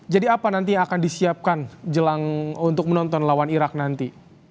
jadi apa nanti yang akan disiapkan untuk menonton lawan irak nanti